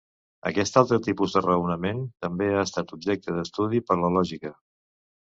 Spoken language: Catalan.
Aquest altre tipus de raonament també ha estat objecte d'estudi per la lògica.